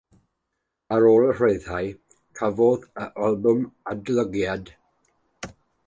Ar ôl ei ryddhau, cafodd yr albwm adolygiadau cadarnhaol gan y beirniaid.